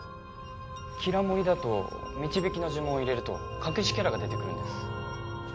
キラもりだと導きの呪文を入れると隠しキャラが出てくるんです。